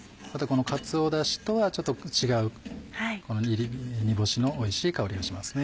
かつおダシとはちょっと違う煮干しのおいしい香りがしますね。